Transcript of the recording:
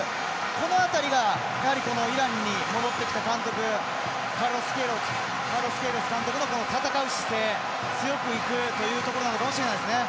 この辺りが、やはりイランに戻ってきた監督カルロス・ケイロス監督の戦う姿勢、強くいくというところかもしれないですね。